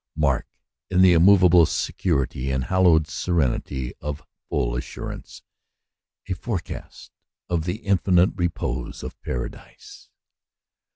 Mark, in the immovable security and hallowed serenity of full assurance, a forecaste of the infinite repose of Paradise.